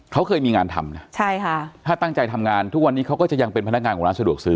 เขาเคยมีงานทำนะใช่ค่ะถ้าตั้งใจทำงานทุกวันนี้เขาก็จะยังเป็นพนักงานของร้านสะดวกซื้อ